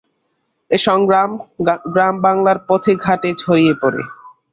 এ সংগ্রাম গ্রাম-বাংলার পথে-ঘাটে ছড়িয়ে পড়ে।